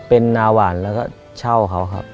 เป็นนาหวานแล้วก็เช่าเขาครับ